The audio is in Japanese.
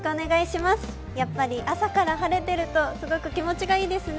やっぱり朝から晴れてるとすごく気持ちがいいですね。